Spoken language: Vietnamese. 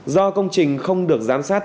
do công trình không được giám sát